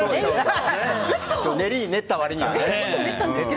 練りに練ったわりには。